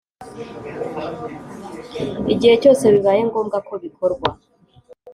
igihe cyose bibaye ngombwa ko bikorwa